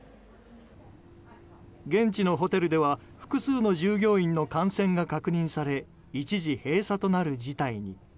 現地のホテルでは複数の従業員の感染が確認され一時閉鎖となる事態に。